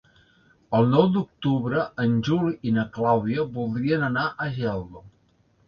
El nou d'octubre en Juli i na Clàudia voldrien anar a Geldo.